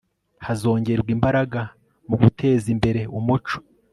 Hazongerwa imbaraga mu guteza imbere umuco